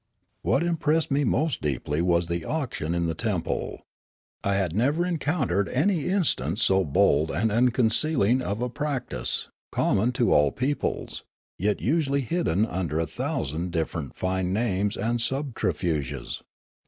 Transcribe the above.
What impressed me most deeply was the auction in the temple. I had never encountered any instance so bold and unconcealing of a practice, common to all peoples, yet usuall}' hidden under a thousand different fine names and subterfuges.